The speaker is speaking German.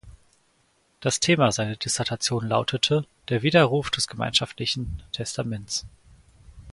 Das Thema seiner Dissertation lautete "Der Widerruf des gemeinschaftlichen Testaments".